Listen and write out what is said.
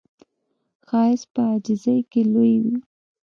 ښایست په عاجزۍ کې لوی وي